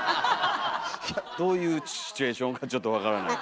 どういうシチュエーションかちょっと分からない。